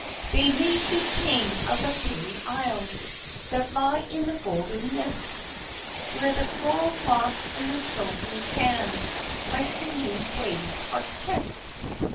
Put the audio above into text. They made me King of the Fairy Isles, That lie in the Golden Mist, Where the coral rocks and the silvery sand By singing waves are kissed.